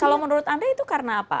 kalau menurut anda itu karena apa